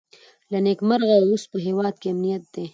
له نېکمرغه اوس په هېواد کې امنیت دی.